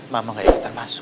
mama ga yakutan masu